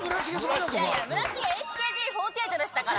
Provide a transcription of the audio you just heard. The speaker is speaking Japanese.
いやいや村重ＨＫＴ４８でしたから。